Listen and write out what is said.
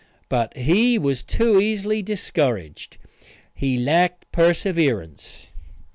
But he was too easy discouraged. He lacked perseverance.